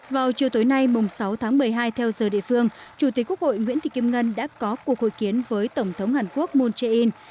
vào chiều tối nay sáu tháng một mươi hai theo giờ địa phương chủ tịch quốc hội nguyễn thị kim ngân đã có cuộc hội kiến với tổng thống hàn quốc moon jae in